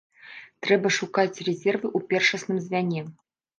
Трэба шукаць рэзервы ў першасным звяне.